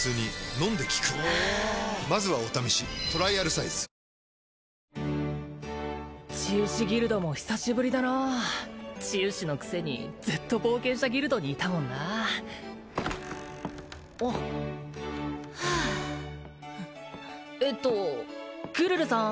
最高の渇きにＤＲＹ治癒士ギルドも久しぶりだな治癒士のくせにずっと冒険者ギルドにいたもんなおっはあえっとクルルさん